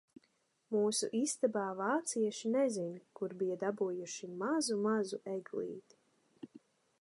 Mūsu istabā vācieši nezin kur bija dabūjuši mazu, mazu eglīti.